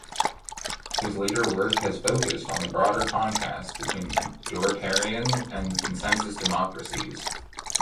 His later work has focused on the broader contrasts between majoritarian and "consensus" democracies.